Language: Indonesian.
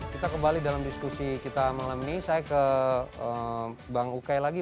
kita kembali dalam diskusi kita malam ini saya ke bang ukay lagi